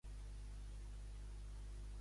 Com s'anomena realment Sulley?